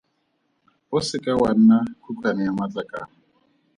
O se ka wa nna khukhwane ya matlakala.